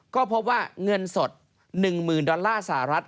ก็พบว่าเงินสด๑๐๐๐ดอลลาร์สหรัฐ